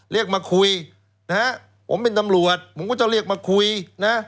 เรียกมาคุยนะฮะผมเป็นตำรวจผมก็จะเรียกมาคุยนะ